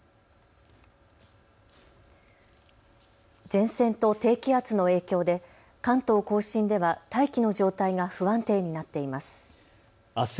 前線と低気圧の影響で関東甲信では大気の状態が不安定になっています。